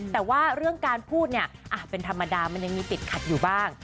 แต่ว่าเรื่องการพูดเนี่ยเป็นธรรมดามันยังมีติดขัดอยู่บ้าง